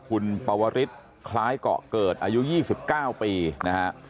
คุณปวฤษฐ์คล้ายเกาะเกิดอายุยี่สิบเก้าปีนะฮะ